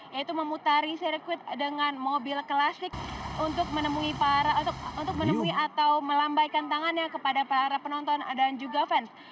yaitu memutari sirkuit dengan mobil klasik untuk menemui atau melambaikan tangannya kepada para penonton dan juga fans